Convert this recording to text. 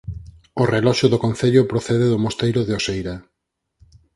O reloxo do concello procede do mosteiro de Oseira.